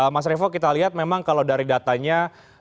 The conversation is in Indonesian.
mas revo kita lihat memang kalau dari datanya